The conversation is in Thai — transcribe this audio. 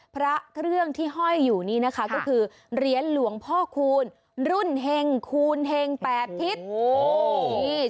พระเครื่องที่ห้อยอยู่นี่นะคะก็คือเหรียญหลวงพ่อคูณรุ่นเห็งคูณเฮงแปดทิศ